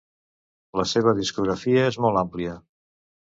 La seva discografia és molt àmplia.